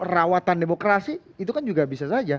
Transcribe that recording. rawatan demokrasi itu kan juga bisa saja